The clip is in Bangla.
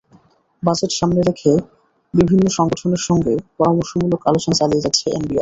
বাজেট সামনে রেখে বিভিন্ন সংগঠনের সঙ্গে পরামর্শমূলক আলোচনা চালিয়ে যাচ্ছে এনবিআর।